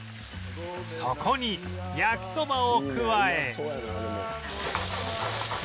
そこに焼きそばを加え